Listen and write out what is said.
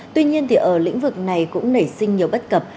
tuy nhiên ở lĩnh vực này cũng nảy sinh nhiều bất cập